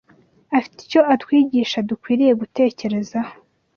afite icyo atwigisha dukwiriye gutekerezaho